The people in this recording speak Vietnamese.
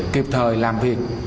kịp thời làm việc